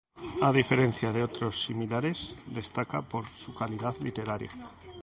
A diferencia de otros similares, destaca por su calidad literaria.